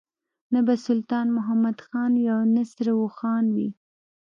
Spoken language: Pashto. نه به سلطان محمد خان وي او نه سره اوښان وي.